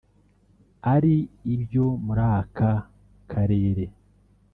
ari ibyo muri aka karere